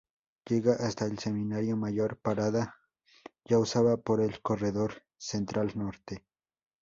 Llega hasta el Seminario Mayor, parada ya usada por el Corredor Central norte